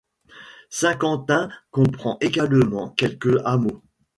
Saint-Quentin comprend également quelques hameaux.